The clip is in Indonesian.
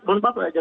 bang bapak saja